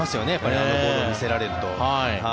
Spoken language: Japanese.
あんなボールを見せられると。